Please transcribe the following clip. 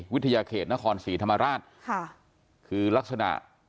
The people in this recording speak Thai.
วิทยาเขตนครศรีธรรมราชค่ะคือลักษณะ